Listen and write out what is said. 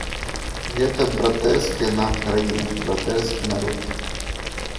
Гэта братэрская нам краіна, братэрскі народ.